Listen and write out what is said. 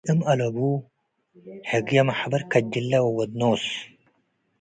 ወድ እም አለቡ ህግየ መሕበር ከጅለ ወወድ ኖስ